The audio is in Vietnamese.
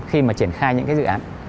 khi mà triển khai những cái dự án